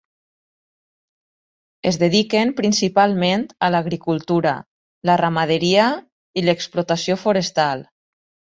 Es dediquen principalment a l'agricultura, la ramaderia i l'explotació forestal.